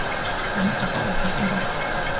人長高了也變壯了